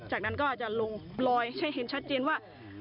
จากนั้นก็อาจจะลงลอยให้เห็นชัดเจนว่า